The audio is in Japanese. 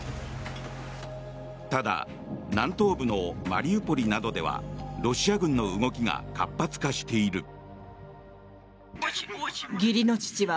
ただ南東部のマリウポリなどではロシア軍の動きが活発化している。